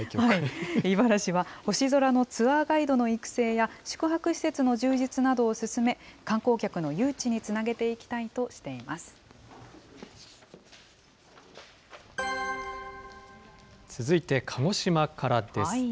井原市は、星空のツアーガイドの育成や、宿泊施設の充実などを進め、観光客の誘致につなげていき続いて、鹿児島からです。